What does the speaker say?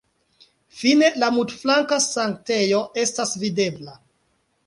Fine la multflanka sanktejo estas videbla.